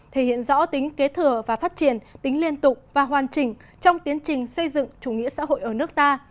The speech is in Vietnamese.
thể hiện rõ tính kế thừa và phát triển tính liên tục và hoàn chỉnh trong tiến trình xây dựng chủ nghĩa xã hội ở nước ta